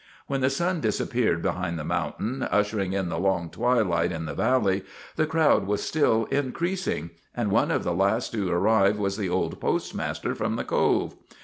When the sun disappeared behind the mountain, ushering in the long twilight in the valley, the crowd was still increasing, and one of the last to arrive was the old postmaster from the Cove.